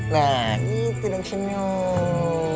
nah gitu dong senyum